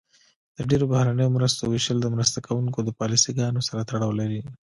د ډیری بهرنیو مرستو ویشل د مرسته کوونکو د پالیسي ګانو سره تړاو لري.